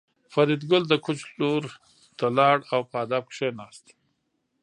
فریدګل د کوچ لور ته لاړ او په ادب کېناست